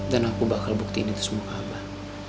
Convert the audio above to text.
dan aku bakal buktiin itu semua ke abah